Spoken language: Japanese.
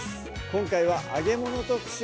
今回は揚げ物特集